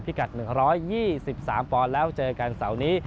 กัด๑๒๓ปอนด์แล้วเจอกันเสาร์นี้